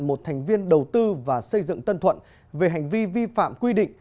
một thành viên đầu tư và xây dựng tân thuận về hành vi vi phạm quy định